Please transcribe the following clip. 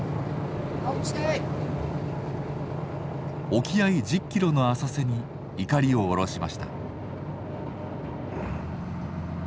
沖合１０キロの浅瀬に錨を下ろしました。